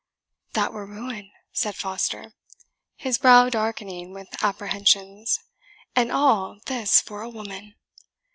"That were ruin," said Foster, his brow darkening with apprehensions; "and all this for a woman!